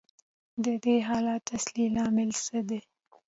د دې حالت اصلي لامل څه دی